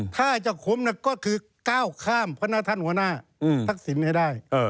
ถ้าจะคุ้มก็คือก้าวข้ามพระนาท่านหัวหน้าทักษิณให้ได้